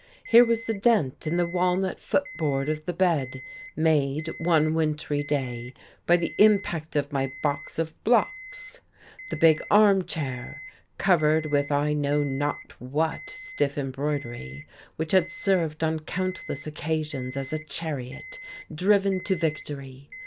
Here was the dent in the walnut foot board of the bed made, one wintry day, by the impact of my box of blocks; the big arm chair, covered with I know not what stiff embroidery, which had served on countless occasions as a chariot driven to victory.